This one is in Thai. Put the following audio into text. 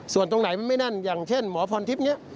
ส่วนตรงไหนมันไม่แน่นอย่างเช่นหมอพรทิพย์เนี่ย